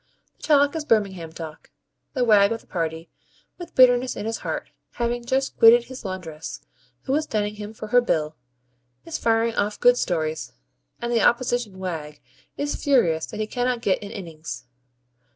The talk is Birmingham talk. The wag of the party, with bitterness in his heart, having just quitted his laundress, who is dunning him for her bill, is firing off good stories; and the opposition wag is furious that he cannot get an innings.